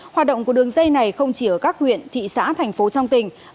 hoạt động của đường dây này không chỉ ở các huyện thị xã thành phố trong tỉnh